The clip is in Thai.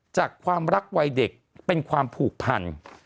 จากความรักวัยเด็กเป็นความผูกพัน